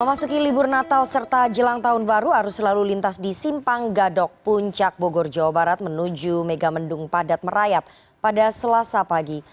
memasuki libur natal serta jelang tahun baru arus lalu lintas di simpang gadok puncak bogor jawa barat menuju megamendung padat merayap pada selasa pagi